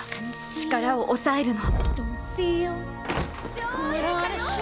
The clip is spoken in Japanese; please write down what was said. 力を抑えるの。